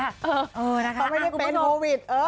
เออเออตอนนี้เป็นโควิด